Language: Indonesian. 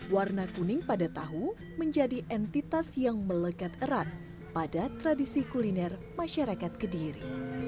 warna kuning pada tahu menjadi entitas yang melekat erat pada tradisi kuliner masyarakat kediri